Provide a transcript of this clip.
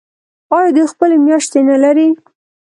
آیا دوی خپلې میاشتې نلري؟